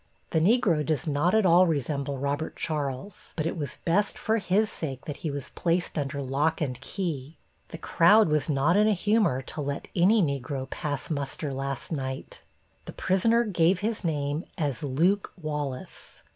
The Negro does not at all resemble Robert Charles, but it was best for his sake that he was placed under lock and key. The crowd was not in a humor to let any Negro pass muster last night. The prisoner gave his name as Luke Wallace.